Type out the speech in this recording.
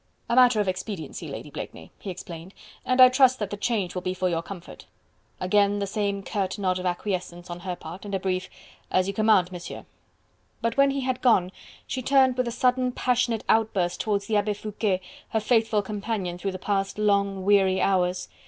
"A matter of expediency, Lady Blakeney," he explained, "and I trust that the change will be for your comfort." Again the same curt nod of acquiescence on her part, and a brief: "As you command, Monsieur!" But when he had gone, she turned with a sudden passionate outburst towards the Abbe Foucquet, her faithful companion through the past long, weary hours.